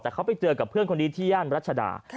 แต่เขาไปเจอกับเพื่อนคนนี้ที่ย่านรัชดา